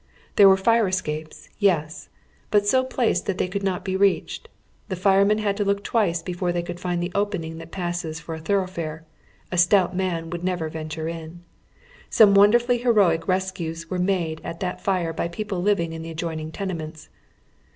There were fire escapes, yes! but so placed that they could not be reached. The firemen Lad to look twice before they could find the opening that passes for a thoroughfare ; a stout man would never ven ture in. Some woiidei f ully heroic rescues were made at that fire by people living in tlie adjoining tenements.